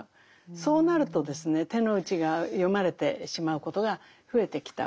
そうなると手の内が読まれてしまうことが増えてきたわけですね。